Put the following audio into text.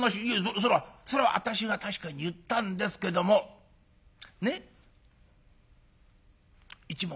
それはそれは私が確かに言ったんですけどもねっ一目だけ。